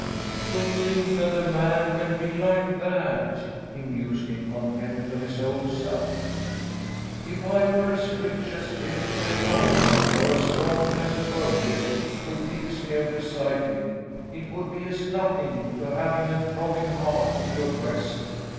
"To think that a man can be like that!" he mused in contempt of his old self. "If I were as rich as Eric of Falla or as strong as Börje, who digs here beside me, it would be as nothing to having a throbbing heart in your breast.